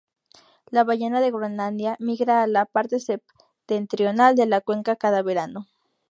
La ballena de Groenlandia migra a la parte septentrional de la cuenca cada verano.